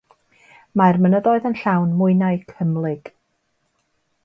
Mae'r mynyddoedd yn llawn mwynau cymhlyg.